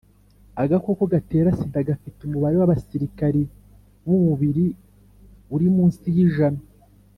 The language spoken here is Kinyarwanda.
agakoko gatera sida gafite umubare w abasirikari b umubiri uri munsi yi jana